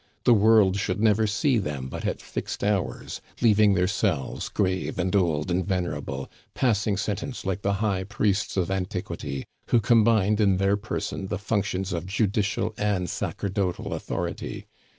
The world should never see them but at fixed hours, leaving their cells, grave, and old, and venerable, passing sentence like the high priests of antiquity, who combined in their person the functions of judicial and sacerdotal authority.